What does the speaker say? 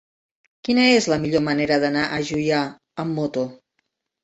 Quina és la millor manera d'anar a Juià amb moto?